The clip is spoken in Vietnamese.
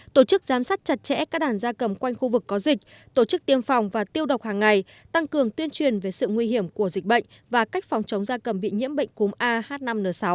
tổ chức giám sát chặt chẽ các đàn gia cầm quanh khu vực có dịch tổ chức tiêm phòng và tiêu độc hàng ngày tăng cường tuyên truyền về sự nguy hiểm của dịch bệnh và cách phòng chống da cầm bị nhiễm bệnh cúm ah năm n sáu